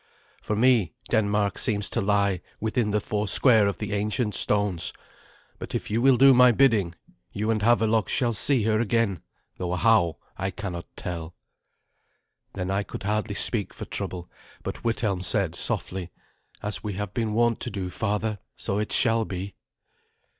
For me Denmark seems to lie within the four square of the ancient stones; but if you will do my bidding, you and Havelok shall see her again, though how I cannot tell." Then I could hardly speak for trouble, but Withelm said softly, "As we have been wont to do, father, so it shall be."